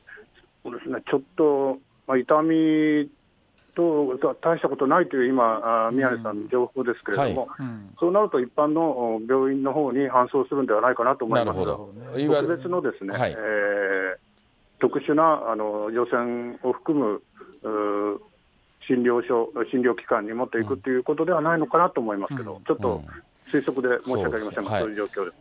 ちょっと痛み等、大したことないと、今、宮根さんの情報ですけれども、そうなると一般の病院のほうに搬送するんではないかなと思いますけれども、個別の特殊なを含む診療所、診療機関に持っていくということではないのかなと思いますけれども、ちょっと推測で申し訳ありませんが、そういう状況です。